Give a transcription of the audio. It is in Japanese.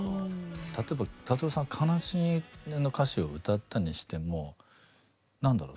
例えば達郎さん悲しげな歌詞を歌ったにしても何だろう